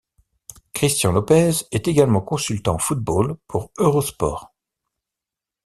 Christian Lopez est également consultant football pour Eurosport.